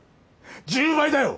１０倍だよ！